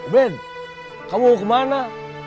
ben kamu mau kemana